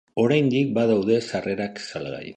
Oraindik badaude sarrerak salgai.